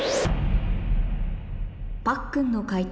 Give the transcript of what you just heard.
パックンの解答